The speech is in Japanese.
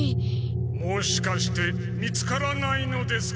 もしかして見つからないのですか？